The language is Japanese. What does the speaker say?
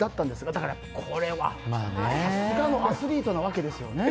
だから、これはさすがのアスリートなわけですよね。